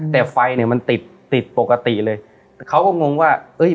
แต่ไฟเนี่ยมันติดติดปกติเลยเขาก็งงว่าเอ้ย